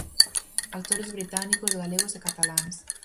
Actores británicos, galegos e cataláns.